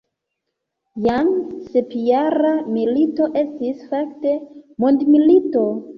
Jam sepjara milito estis fakte mondmilito.